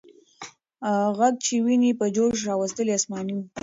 ږغ چې ويني په جوش راوستلې، آسماني و.